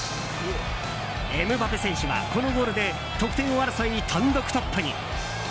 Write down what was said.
エムバペ選手は、このゴールで得点王争い単独トップに。